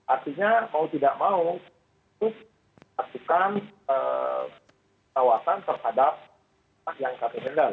artinya mau tidak mau itu mematuhkan perawasan terhadap yang kami kendal